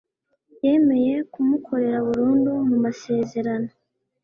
yemeye kumukorera burundu mumasezerano